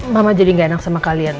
mama jadi gak enak sama kalian